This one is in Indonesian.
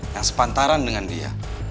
yang sepantaran dengan dia